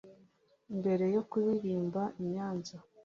Mbere yo kuririmba i Nyanza